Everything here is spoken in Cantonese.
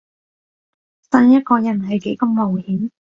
信一個人係幾咁冒險